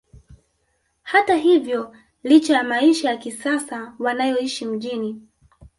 Hata hivyo licha ya maisha ya kisasa wanayoishi mjini